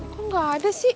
kok gak ada sih